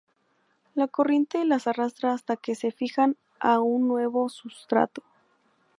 La corriente las arrastra hasta que se fijan a un nuevo sustrato.